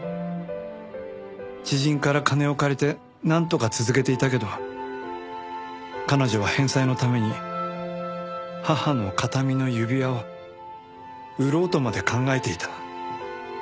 知人から金を借りてなんとか続けていたけど彼女は返済のために母の形見の指輪を売ろうとまで考えていた。